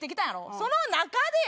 その中でや。